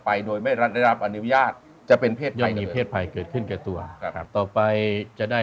ไปโดยไม่ได้รับอนิวิญญาติจะเป็นเพศภัยเกิดขึ้นกันตัวต่อไปจะได้